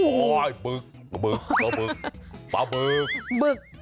โอ้โฮบึกบึกปลาบึก